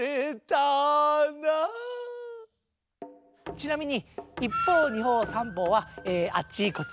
ちなみに一方二方三方はあっちこっち